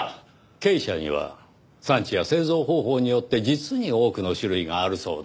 珪砂には産地や製造方法によって実に多くの種類があるそうです。